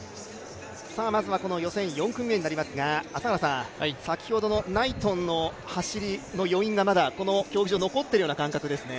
まずは予選４組目になりますが、先ほどのナイトンの走りの余韻がまだこの競技場に残っているような感覚ですね。